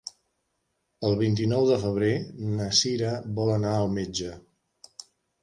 El vint-i-nou de febrer na Sira vol anar al metge.